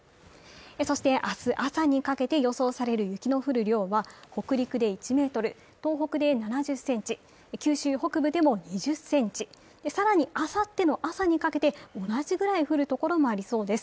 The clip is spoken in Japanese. そして明日朝にかけて予想される雪の降る量は、北陸で１ｍ、東北で７０ｃｍ、九州北部でも２０ｃｍ、更にあさっての朝にかけて同じぐらい降る所もありそうです。